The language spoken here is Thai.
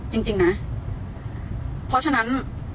จริงนะเพราะฉะนั้น